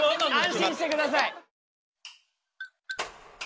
安心してください。